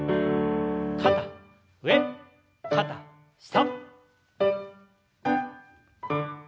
肩上肩下。